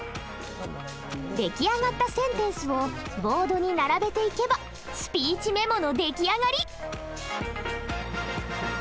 出来上がったセンテンスをボードに並べていけばスピーチメモの出来上がり！